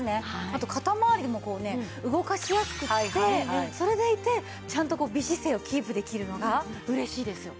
あと肩まわりもこうね動かしやすくってそれでいてちゃんと美姿勢をキープできるのが嬉しいですよ。